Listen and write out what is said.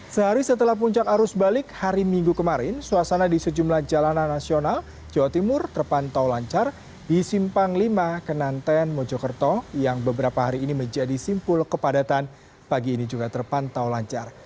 sehari setelah puncak arus balik hari minggu kemarin suasana di sejumlah jalanan nasional jawa timur terpantau lancar di simpang lima kenanten mojokerto yang beberapa hari ini menjadi simpul kepadatan pagi ini juga terpantau lancar